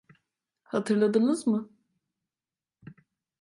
Hatırladınız mı?